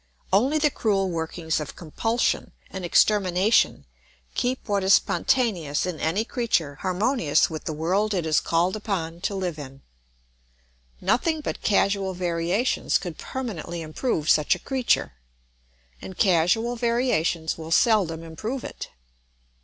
Only the cruel workings of compulsion and extermination keep what is spontaneous in any creature harmonious with the world it is called upon to live in. Nothing but casual variations could permanently improve such a creature; and casual variations will seldom improve it.